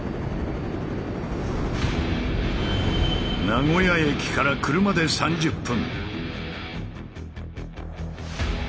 名古屋駅から車で３０分。